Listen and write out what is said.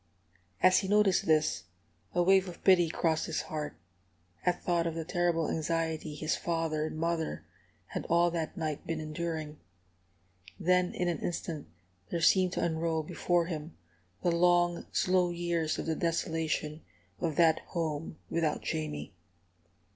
As he noticed this, a wave of pity crossed his heart, at thought of the terrible anxiety his father and mother had all that night been enduring. Then in an instant there seemed to unroll before him the long, slow years of the desolation of that home without Jamie.